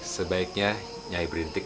jadi kita harus berpikir